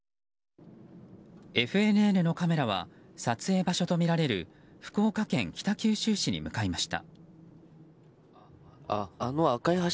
ＦＮＮのカメラは撮影場所とみられる福岡県北九州市に向かいました。